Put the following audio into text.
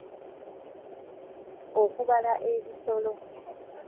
Okubala ebisolo.